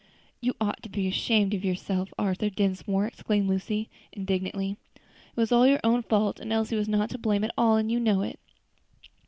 "You ought to be ashamed, Arthur Dinsmore," exclaimed Lucy indignantly; "it was all your own fault, and Elsie was not to blame at all, and you know it."